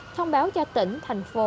thông báo cho tỉnh thành phố nơi đến